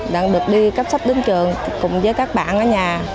đã được đi cấp sách đến trường cùng với các bạn ở nhà